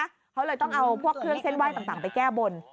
เขาเลยต้องเอาพวกเครื่องเส้นไหว้ต่างไปแก้บน